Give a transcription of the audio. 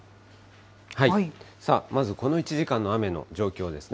まずこの１時間の雨の状況ですね。